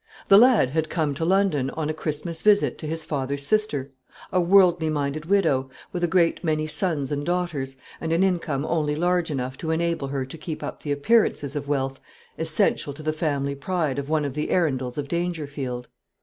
The lad had come to London on a Christmas visit to his father's sister, a worldly minded widow, with a great many sons and daughters, and an income only large enough to enable her to keep up the appearances of wealth essential to the family pride of one of the Arundels of Dangerfield.